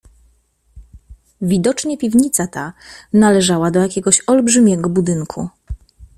"Widocznie piwnica ta należała do jakiegoś olbrzymiego budynku."